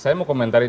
saya mau komentarin